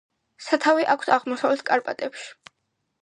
სათავე აქვს აღმოსავლეთ კარპატებში.